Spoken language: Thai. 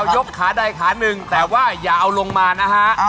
ยกขาได้ขานึงแต่จะให้อยากเอาลงมานะฮะ